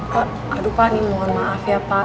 pak aduh pak ini mohon maaf ya pak